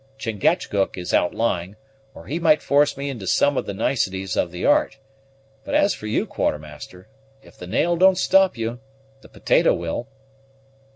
Chingachgook is outlying, or he might force me into some of the niceties of the art; but, as for you, Quartermaster, if the nail don't stop you, the potato will."